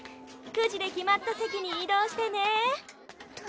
くじで決まった席に移動してねあっ。